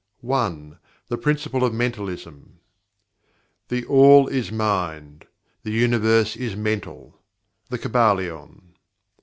1. The Principle of Mentalism "THE ALL IS MIND; The Universe is Mental." The Kybalion.